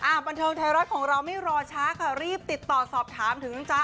อ่ะบันทึงไทยร้อยของเรามิรอช้าค่ะรีบติดต่อสอบถามถึงจ๊ะ